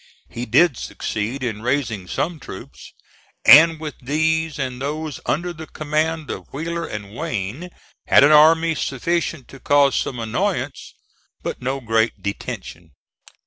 He did succeed in raising some troops, and with these and those under the command of Wheeler and Wayne, had an army sufficient to cause some annoyance but no great detention.